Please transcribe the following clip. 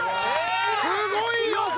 すごい予想！